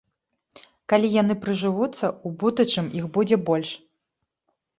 Калі яны прыжывуцца, у будучым іх будзе больш.